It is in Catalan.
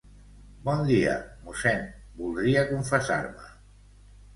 Bon dia, mossèn, voldria confessar-me.